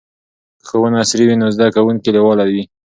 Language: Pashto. که ښوونه عصري وي نو زده کوونکي لیواله وي.